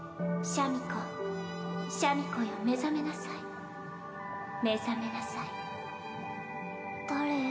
・シャミ子シャミ子よ目覚めなさい目覚めなさい誰？